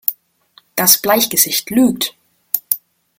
Das Bleichgesicht lügt!